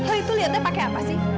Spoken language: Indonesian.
lo itu liatnya pake apa sih